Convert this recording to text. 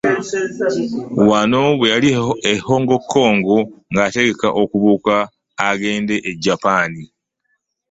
Wano bwe yali e HongKong ng'ategeka okubuuka agende e Japan